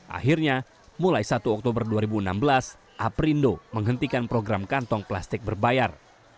akhirnya mulai satu oktober dua ribu enam belas aprindo menghentikan program kantong plastik berbayar